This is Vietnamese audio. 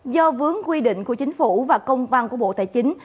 do vướng quy định của chính phủ và công văn của bộ tài chính